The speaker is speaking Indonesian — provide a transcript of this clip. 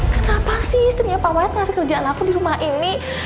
kenapa sih istrinya pak mahyad ngasih kerjaan aku di rumah ini